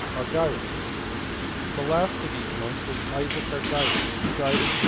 Argyrus. The last of these monks was Isaac Argyrus, who died in 1372.